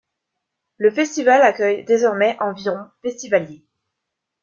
Le festival accueil désormais environ festivaliers.